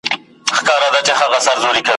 پر دې لاره چي وتلي زه یې شمع د مزار یم ,